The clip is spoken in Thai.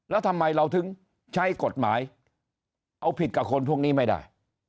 แล้วทำไมเราถึงใช้กฎหมายเอาผิดกับคนพวกนี้ไม่ได้